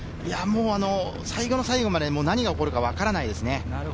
最後の最後まで何が起こるかわからないですね。